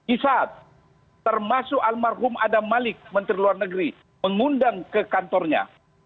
isad termasuk almarhum adam malik menteri luar negeri mengundang ke kantornya